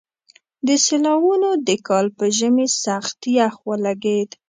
د سېلاوونو د کال په ژمي سخت يخ ولګېد.